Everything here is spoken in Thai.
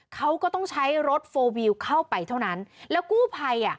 เขาก็ต้องใช้รถโฟลวิวเข้าไปเท่านั้นแล้วกู้ภัยอ่ะ